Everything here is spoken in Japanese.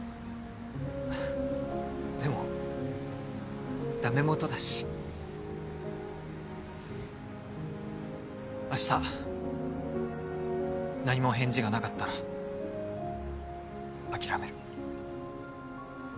でもダメもとだし明日何も返事がなかったら諦める。